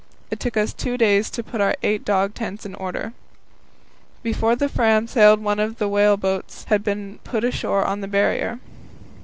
It took us two days to put our eight dog tents in order. Before the Fram sailed one of the whale boats had been put ashore on the Barrier.